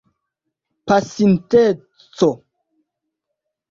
pasinteco